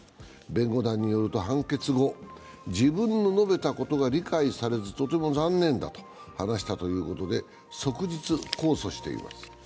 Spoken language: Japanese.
弁護団によると判決後、自分の述べたことが理解されずとても残念だと話したということで、即日控訴しています。